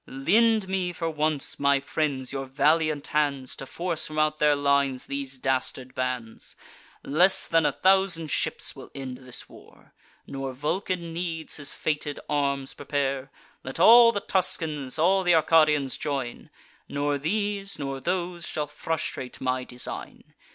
Lend me, for once, my friends, your valiant hands, To force from out their lines these dastard bands. Less than a thousand ships will end this war, Nor Vulcan needs his fated arms prepare. Let all the Tuscans, all th' Arcadians, join! Nor these, nor those, shall frustrate my design.